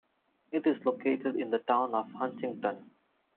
It is located in the town of Huntington.